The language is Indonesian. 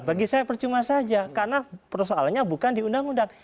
bagi saya percuma saja karena persoalannya bukan di undang undang